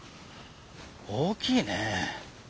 大きいね。